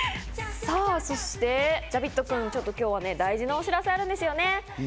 そしてジャビットくん、今日は大事なお知らせがあるんですよね。